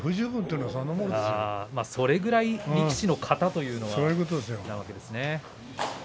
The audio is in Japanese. それぐらい力士の型ということなんですね。